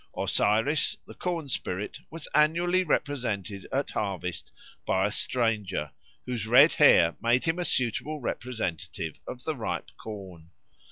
Osiris, the corn spirit, was annually represented at harvest by a stranger, whose red hair made him a suitable representative of the ripe corn.